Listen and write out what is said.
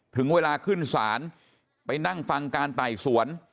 ถึงเวลาขึ้นศาลไปนั่งฟังการไต่สวน